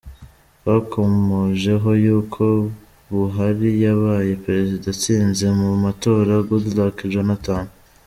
Twakomojeho yuko Buhari yabaye Perezida atsinze mu matora Goodluck Johnathan.